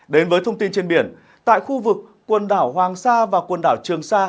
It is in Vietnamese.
đến với thông tin trên biển tại khu vực quần đảo hoàng sa và quần đảo trường sa